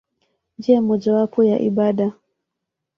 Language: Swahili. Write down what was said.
Njia mojawapo ya ibada.